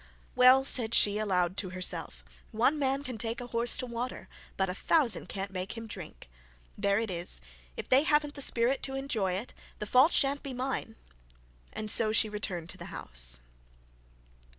'Well,' said she aloud to herself, 'one man can take a horse to water, but a thousand can't make him drink. There it is. If they haven't the spirit to enjoy it, the fault shan't be mine;' and so she returned the house.